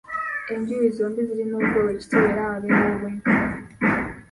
Enjuyi zombi zirina okwewa ekitiibwa era wabeewo obwenkanya.